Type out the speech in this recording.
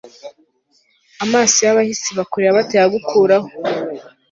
amaso y'abahisi bakureba batayagukuraho